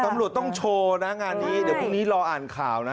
ตำรวจต้องโชว์นะงานนี้เดี๋ยวพรุ่งนี้รออ่านข่าวนะ